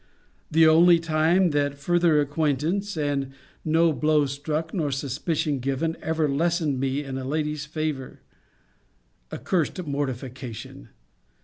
the only time that further acquaintance, and no blow struck, nor suspicion given, ever lessened me in a lady's favour! A cursed mortification!